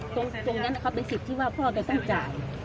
ตรงนั้นเอาไปศิษย์ว่าพ่อต้องจ่าย